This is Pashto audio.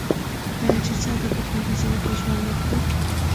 آیا چې څنګه په بندیزونو کې ژوند وکړو؟